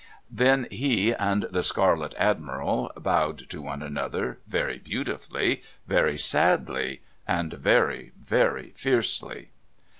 Then he and the Scarlet Admiral bowed to one another, very beautifully, very sadly, and very, very fiercely.